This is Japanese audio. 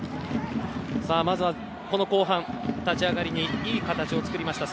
まずは後半、立ち上がりにいい形を作りました。